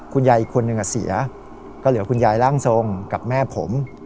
อีกคนนึงเสียก็เหลือคุณยายร่างทรงกับแม่ผม